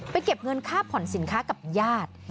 เก็บเงินค่าผ่อนสินค้ากับญาติ